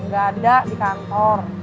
gak ada di kantor